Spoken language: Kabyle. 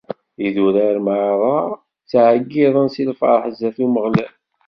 Idurar merra ttɛeyyiḍen si lferḥ sdat Umeɣlal.